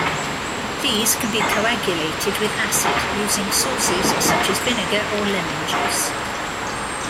These can be coagulated with acid using sources such as vinegar or lemon juice.